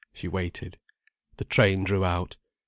She waited. The train drew out.